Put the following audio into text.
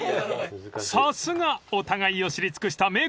［さすがお互いを知り尽くした名コンビ］